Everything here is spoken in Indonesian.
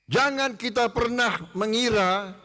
jangan kita pernah mengira